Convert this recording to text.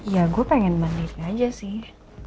ya gue pengen mandiri aja sih